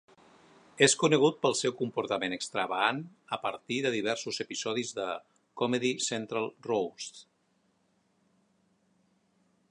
És conegut pel seu comportament extravagant a partir de diversos episodis de "Comedy Central Roasts".